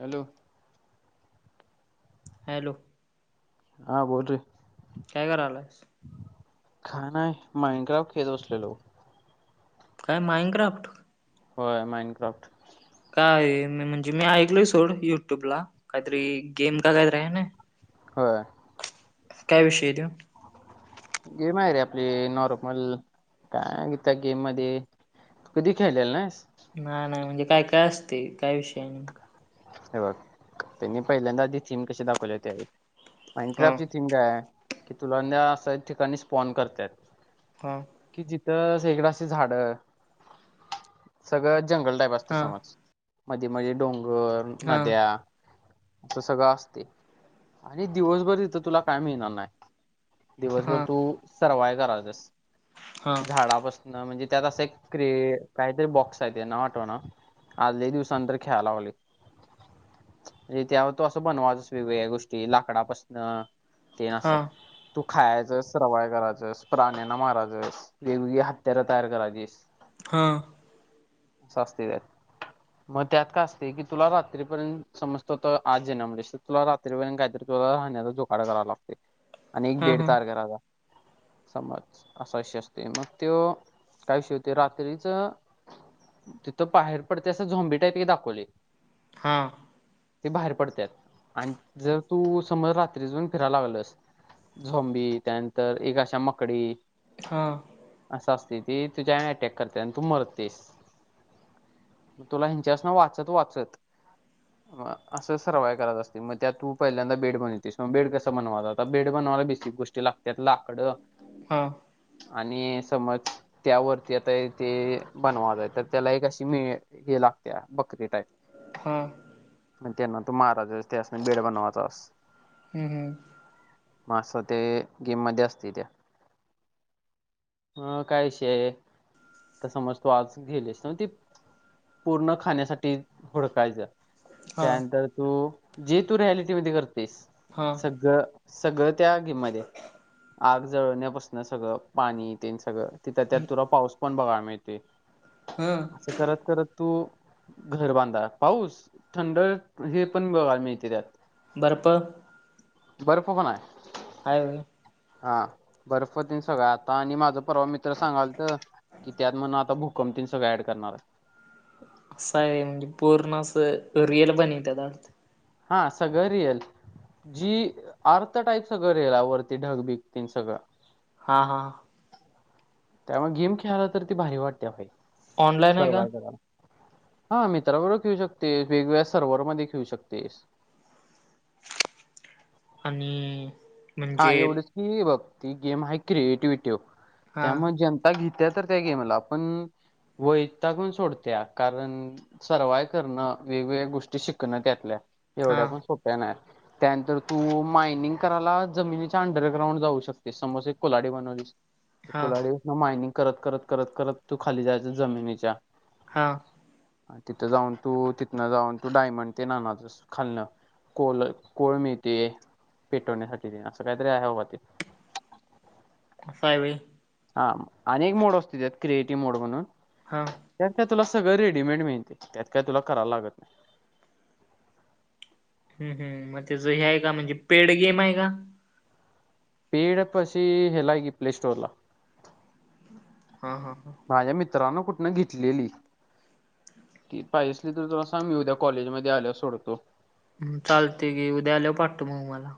Hello hello हा बोल रे काय करायला? खाण आहे माइंग्राव खेद बसलेलो. काय माइडक्राफ्ट हो माइन क्राफ्ट काय मी म्हणजे मी ऐकलोय सोड युट्यूब ला काहीतरी गेम का काहीत आहे ना होय काय विषय आहे त्यो गेम आहे रे आपली नॉर्मल काय घिता गेम मध्ये तू कधी खेळणार नाहीस. नाही नाही म्हणजे काय काय असते काय विषय? हे बघ त्यांनी पहिल्यांदा आधी थीम कशी दाखवले हा होतेडक्राफची टीग आहे की तुला अस ठिकाणी स्पॉन करताय. हम. कि जिथं सगळीकड असे झाड सगळं जंगल टाईप असते हा समज. ते म्हणजे डोंगर, हा नद्या. अस सगळं असते आणि दिवसभर तिथं तुला काय मिळणार नाही. दिवसभर हा तू सर्वाय करायचस. हां. झाडापासन म्हणजे त्यात अस क्र काहीतरी बॉक्स आहे नाव आठव ना आज लई दिवसा नंतर खेळायला लागलोय. मग त्या तो असं बनवाचच वेगवेगळ्या गोष्टी लाकडापासन तेन अस हा तू खायचस सर्वाय करायचस प्राण्यांना मारयचस. वेगवेगळी हत्यारं तयार करायचीस. हम. असं असतय त्यात. मग त्यात काय असते की तुला रात्रीपर्यंत समजतो तर आज जन्मालास तर तुला रात्रीपर्यंत काहीतरी तुला राहण्याचा जो वाड करा लागते आणि हा एक बेड हा तयार करायला लागतंय. समज असा विषय असतो. मग तोय काय विषय होते रात्रीच तिथं बाहेर पडते असं झोंबे त्यात हे दाखवले. हां. ते बाहेर पडतात आणि जर तू समज रात्री जाऊन फिरायला लागलस. झोंबी त्यानंतर एक अशा मकडी हा. असं असते ते तुझ्या अटॅक करते आणि तू मरतेस तुला त्यात न वाचत वाचत म असं सर्वाय करायच असते. मग त्यात तू पहिल्यांदा बेड बनवतेस. मग बेड कसं बनवा जात बेड बनवायला बेसिक गोष्टी लागते. त्यात लाकडं. हा. आणि समज त्यावरती आता ते बनवायच तर त्याला एक अशी मिळ हे लागते त्या [unintelligible] टाईप हा. मग त्यांना तू मारायचस त्यास्नी बेड बनवाचास. ह हम. मा असं ते गेममध्ये असते त्या. अ काय विषय आहे, तर समज तू आज गेलीस तर ते. पूर्ण खाण्यासाठी हुडकायचं हा त्यानंतर तू जे तू रियालिटी करतेस हा सगळं सगळं त्या आगीमध्ये आग जळवण्यापासून सगळं पाणी तेन सगळं. त्यात तुला पाऊस पण बघायला मिळतील. हम्म असं करत करत तू घर बांधा पाऊस थंड हे पण बघाय मिळते त्यात बर्फ बर्फ पण आहे. आहे होय. हा बर्फ पण तेन सगळं आहे आता आणि माझं परवा मित्र सांगालत कि त्यात म्हण आता भूकंपतीन सगळं ऍड करणार आहे. असं आहे होय म्हणजे पूर्ण असं रिअल पण येत हा सगळं रिअल जी आर्त टाईप सगळं रेल आवरती ढग बिकतीन सगळं हा हा त्यामुळे गेम खेळाला तर ती भारी वाटते पाय ऑनलाईन आहे का सर्वांन बरोबर हा मित्राबरोबर खेळू शकतेस वेगवेगळ्या सर्व्हर मध्येे खेळू शकतेस आणि हा म्हणजे एवढच की हे बघ ती गेम आहे क्रिएटिविटी वर हां, त्यामुळे जन काही विद्यार्थी त्या गेमला पण वैतागून सोडत्या कारण सर्वाय करणं वेगवेगळ्या गोष्टी शिकणं त्यातल्या एवढ्या हां, पण सोप्या नाही त्यानंतर तू मायनिंग करायला जमिनीच्या अंडरग्राउंड जाऊ शकते समज एक कुल्हाडी बनवलीस ती हां, कुल्हाडी मग मायनिंग करत करत करत तू खाली जायच जमिनीच्या हा अन तिथं जाऊन तू तिथनं जाऊन तू डायमंड ते आनायच खालणं. कोळमे हे ते पेटवण्यासाठी असं काहीतरी आहे बाबा ते काय व्हय हा अनेक मोड असते त्यात क्रिएटिव्ह मोड म्हणून हा त्यात काय तुला सगळं रेडीमेड मिळते त्यात काय तुला कराव लागत नाही हु हु मग त्याच हे आहे का म्हणजे पेड गेम आहे का पेड पशी हेला घे प्लेस्टोरला हा हा हा माझ्या मित्रानं कुठनं घेतलेली की पाहिजे असली तर सांग तुला मी उद्या कॉलेज मध्ये आल्या सोडवतो चालते गी उद्या आल्यावर पाठव मग मला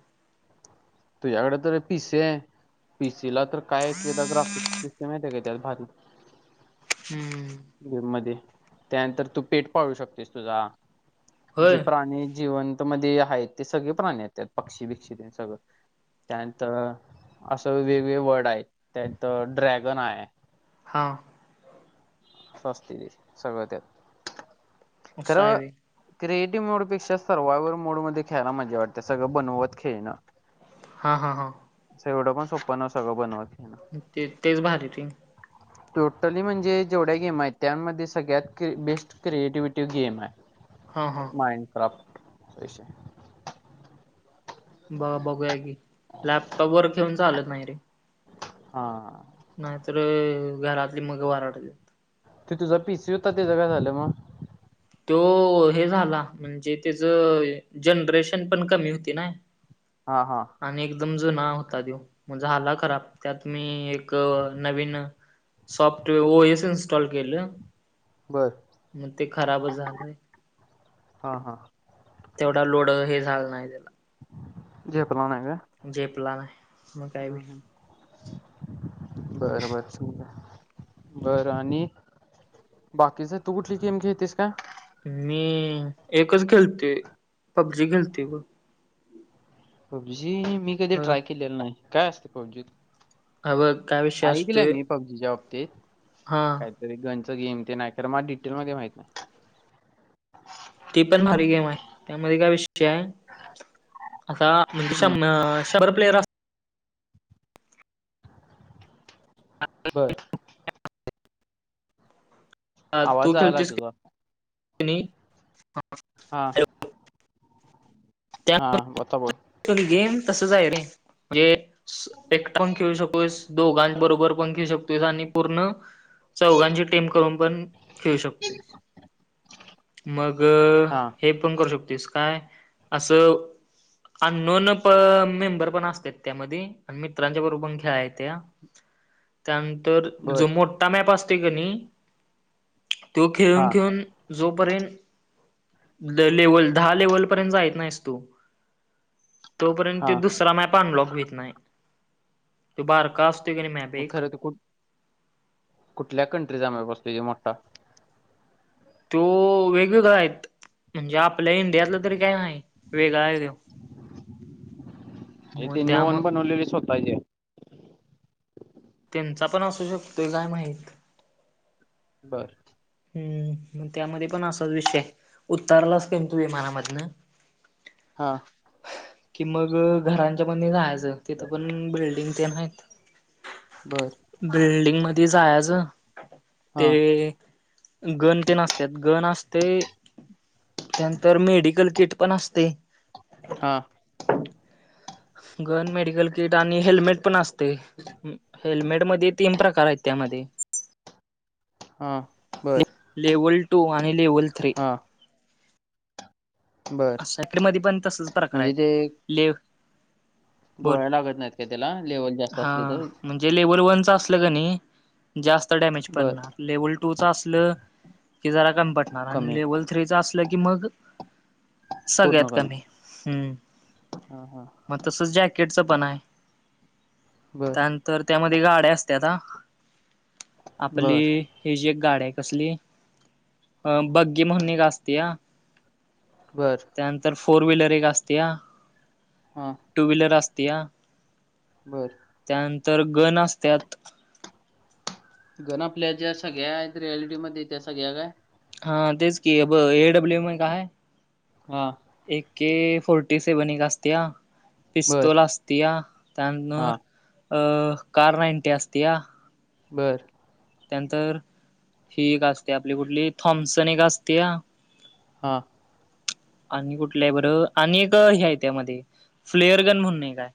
तुझ्याकडे तर पिसी आहे पिसीला तर काय केता ग्राफ सिस्टम येते काय त्यात भारी हुं गेम मध्ये त्यानंतर तू पेट पाळू शकतेस तुझा होय? जे प्राणी जिवंत मध्ये आहेत ते सगळे प्राणी आहेत पक्षी बिक्षी सगळं त्यांत असं वेगवेगळे वर्ड आहेत त्यांत ड्रॅगन आहे हां स्वस्त दे सगळं त्यात असं आहे व्हय. [unintelligible] क्रिएटिव्ह मोडपेक्षा सर्वायवल मोड मध्ये खेळायला मजा वाटते सगं बनवत खेळणं हा हा हा एवढं पणं सोपं नसतं सगळं बनवंन ते तेचं भारी ठेवीन टोटली म्हणजे जेवढ्यां गेम आहेत त्यांमध्ये सगळ्यांत की बेस्ट क्रिएटिविटी गेम्स आहे हां हां माइंन काॅप तशी बघं बघूंया की लॅपटॉप वरं घेऊन चालतं नाहीं ते हां नाहीं तरं घरांतली मंग वोरडत्यांतं तिथूं जरं पिसीव होतं त्यांचं कायं झालं मंग तो हे झांला म्हणजे त्यांचं जनरेशन पणं कमी होतं नां हां हां आणि एकदंम जुंना होता तो मंग झांला खरांब त्यांत मी एक नवीन सॉफ्ट ओएस इनस्टॉल केलं मंग ते खरांबचं झालंय हां हां तेवढां लोड हे झालं नाहीं त्यांला. जे प्लान हांय कायं? झेल्पान हांय नाहीं मंग कायं बी बरं बरं बरं आणि बाकीचं तूं कुंठली गेम खेऴतीस कां मी एकचं खेलतोय पबजी खेलते बघं जीम मी कधीं ह ट्राय केलेलं नाहीं कायं असतंय जीम- हा बघ काय विषय ऐकलं मी पबजीच्यां बाबतींत हां तरी गंन चं गेम तेन हायं मलां डिटेलमध्यें माहित नाहीं ती पणं भारी गेम आहे त्यांमध्ये कायं विषय आहे आंता म्हणजे श हम्म म शंभर प्लेअर असतांत हा [unintelligible] बरं अ तूं आवाज आला खेलंतीस तुझा किनी हं हां हां आंता बोल तरं गेम तसंच आहे रे एकटं पणं खेळूं सकतोस दोघां बरोबर पणं खेळूं शकतोय आणि पूर्ण चौघांची टीम करूंन पणं खेळूं शकतोस मंग अं हा हे पणं करूं शकतेसं कायं असं आनोन प मेंबर पणं असतां त्यांमध्ये आणि मित्रांच्या बरोबर पणं खेळा येत्यां त्यांन तरं बर जो मोटां मॅप असतोय कां नी तो हा खेळूंन खेळूंन जोपर्यंत ल लेवल दहा लेवलपर्यंत जाईत नाहीसं तुं तोपर्यंत हा दुसरा मॅपनलॉक वतं होतं नाहीं तो बारकां असतो मंग खरं तरं कु कुठल्यां कंट्रीचाम बसते मोठां त्यो वेगवेगळं आहेतं म्हणजे आपल्या इंडियातलं तरी कायं नाहीं वेगळां आहे त्यो इ मग ते त्यामु वन बनवलेली स्वंतः ची त्यांचा पणं अंसू शकतोय कायं माहित बरं हम्म त्यामध्ये पण असाच विषय उतारलास कनी तू विमानामधन हा ह कि मग घरांच्या मध्ये जायचं तिथं पण बिल्डिंग तेन आहेत बरं. बिल्डिंग मध्ये जायच, हा ते गण तेश आसत्यात, गण असतय, त्यानंतर मेडिकल किट पण असतय हा गन, मेडिकल किट आणि हेल्मेट पण असते. हेल्मेट मध्ये तीन प्रकार आहेत त्यामध्ये. हा बरं. लेवल टू आणि लेव्हल थ्री. बर साकरी मध्ये पण तसच प्रकार म्हणजे आहेत ते लेव बोल गोळ्या लागत नाहीत का त्याला लेवल जास्त असली तर. जे लेवल वनचं असलं का नाही जास्त डॅमेज बर पडणार लेव्हल टू टूचा असल की जरा कम पडणार आणि कमी लेवल थ्रीचा असलं की मग सगळ्यात कमी, हम्म हा हा मग तसच जॅकेटच पण आहे, बर त्यानंतर त्यामध्ये गाड्या असत्याता आपली बर हेची एक गाड आहे कसली अ बग्गी म्हणून एक असतया बरं. त्यानंतर फोर व्हीलर एक असते, हा टू व्हीलर असतया. बरं. त्यानंतर गण असत्यात. गन आपल्या ज्या सगळ्या आहेत रिएलटी मध्ये त्या सगळ्या काय? हा तेच की अ एडब्लू यम ऐक आहे. हा. ए के फोर्टी सेवन एक अस्त्या. बर पिस्तूल असतया हा त्यानंतर अ कार नाईंटी असतया. बरं. त्यानंतर ही एक असते आपली कुठली थॉम्सन एक असतया. हा. आणि कुठल्या आहे बरं आणि एक हे्या आहे त्यामध्ये फ्लेअरगन म्हणुन एक आहे.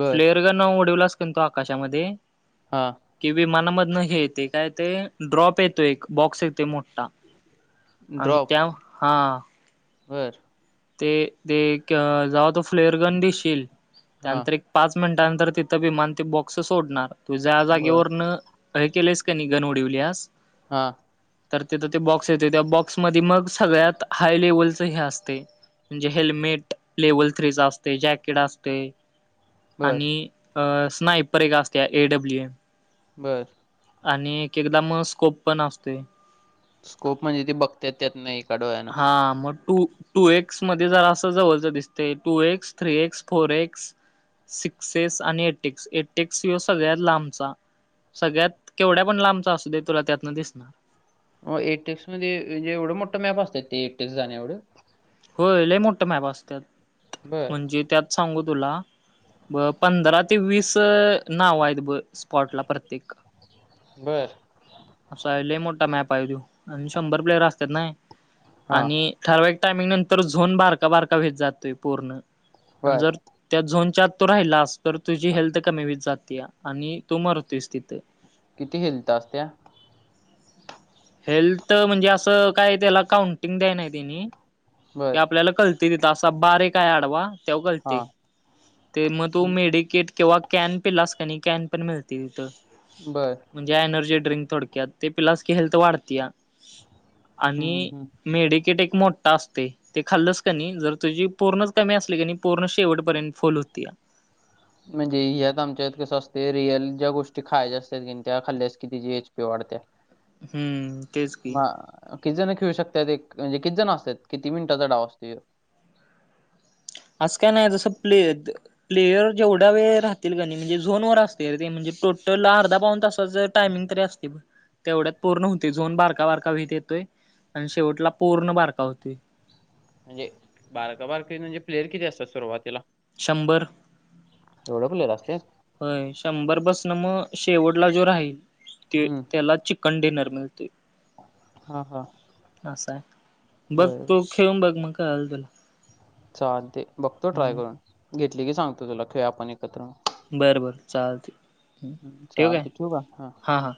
बर फ्लेअर गन उडवलास की ण तो आकाशामध्ये. हा. कि विमनामधन हे येतेय काय ते ड्रॉप येतो एक बॉक्स येते मोठा. आणि ड्रॉप, त्या हा बरं. ते ते जेव्हा तो फ्लेअरगन दिशील हा त्यानंतर एक पाच मिनिटानंतर तिथं विमान ती बॉक्स सोडणार तू ज्या बर जागेवरन अ केलेस का नि गण उडीवलीस. हा. तर तिथ ते बॉक्स येते त्या बॉक्समध्ये मग सगळ्यात हाय लेवलच हे असते म्हणजे हेल्मेट लेव्हल थ्रीचा असते जॅकेट असते बर आणि अ स्नायपर एक असत्या एडब्ल्यू एम. बरं आणि एक एकदा म स्कोप पण असते स्कोप म्हणजे ते बघते त्यात नाही काढवाय ना हा मो टू टू एक्स मध्ये जर असं जवळच दिसते two x three x four x sixes आणि एटेक्स एटेक्स हि सगळ्यात लांबचा सगळ्यात केवढ्या पण लांबचा असू दे तुला त्यातनं दिसणार मग एटेक्स मध्येजे एवढं मोठं मॅप असतात ते एटेक्स जाण्या एवढं हो लय मोठ्या मॅप असत बर म्हणजे त्यात सांगू तुला ब पंधरा ते वीस नाव आहेत ब स्पॉट ला प्रत्येक बर असं आहेल मोठा मॅप आहे त आणि शंभर प्लेयर असतात ना हा आणि ठरवायक टायमिंग नंतर झोन बारका बारका भेेत जातोय पूर्ण आणि बर जर त्या झोनच्या आत तू राहिलास तर तुझी हेल्थ कमीवीत जातीया आणि तू मरतोयस तिथं. किती हेल्त असत्या? हेल्त म्हणजे असं काय त्याला काउंटिंग द्याय नाही त्यांनी क बर आपल्याला कळ आसा बारिकहे आडवा तेव्हा कळते हा ते मग तू मेडिकेट किंवा कॅन पिलासकनै कॅन पण मिळती तिथं बरं म्हणजे एनर्जी ड्रिंक थोडक्यात ते पिलास की हेल्थ वाढते या हम्म, आणि हम्म. मेडिकेट एक मोठ तासते ते खाल्लच क नाही जर तुझी पूर्णच कमी असली क नाही पूर्ण शेवटपर्यंत फल होती म्हणजे ह्यात आमच्यात कसं असते रिअल ज्या गोष्टी खायच्या असतात की त्या खाल्ल्यास किती जी एच पी वाढते हम्म तेच की. म किती जण खेळू शकतात एक म्हणजे किती जण असतात किती मिनिटाचा डाव असतो आसं काय नाय [unintelligible] प्लेयर जेवढा वेळ राहतील का नि म्हणजे झोन वर असतय ते म्हणजे टोटल अर्धा पाऊन तासात जर टायमिंग तरी असतय ब तेवढ्यात पूर्ण होती झोन बारका बारका व्हइत येतोय आणि शेवटला पूर्ण बारका होतोय. म्हणजे बारका बारके म्हणजे प्लेयर किती असतात सुरुवातीला? शंभर. एवढं प्लेर असत्या? होय शंभर पसनं म शेवटला जो राहील त्यो हम्म त्याला चिक् कंडेेनर मिळतोय. हा हा असाय. बघ तू. हितं येऊन बग मग मग काय झालं तर चालतंय. बघतो ट्राय करून. घेतली की सांगतो तुला. खेळू आपण एकत्र. बरं बरं चालते ठेवू काय चालतंय. ठिऊ का? हा. हां हां.